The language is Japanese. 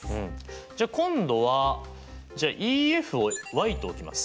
じゃあ今度はＥＦをｙと置きます。